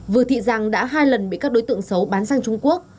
vừa thị giang đã hai lần bị các đối tượng xấu bán sang trung quốc